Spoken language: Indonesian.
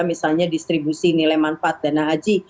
misalnya distribusi nilai manfaat dana haji